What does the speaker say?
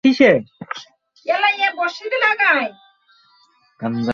এই, তোমার কাজে দেরি হয়ে যাচ্ছে।